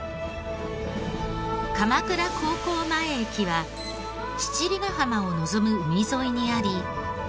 鎌倉高校前駅は七里ヶ浜を望む海沿いにあり。